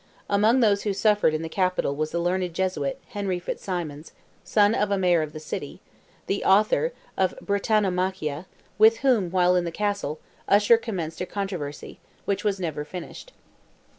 Among those who suffered in the capital was the learned Jesuit, Henry Fitzsimons, son of a Mayor of the city, the author of Brittanomachia, with whom, while in the Castle, Usher commenced a controversy, which was never finished.